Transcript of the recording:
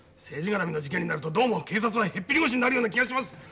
政治がらみの事件になるとどうも警察はへっぴり腰になるような気がします！